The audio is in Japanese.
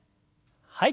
はい。